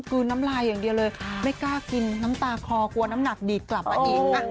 ลืนน้ำลายอย่างเดียวเลยไม่กล้ากินน้ำตาคอกลัวน้ำหนักดีดกลับมาอีกนะ